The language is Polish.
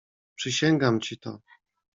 "Przysięgam ci to."